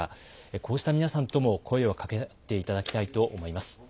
こうした皆さんとも声をかけ合っていただきたいと思います。